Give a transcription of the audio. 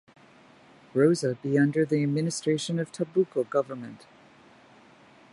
Rosa be under the administration of Tabuko government.